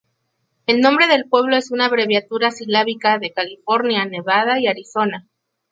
El nombre del pueblo es una abreviatura silábica de California, Nevada y Arizona.